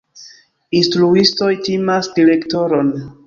Instruistoj timas direktoron.